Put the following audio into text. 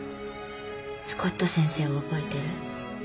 スコット先生を覚えてる？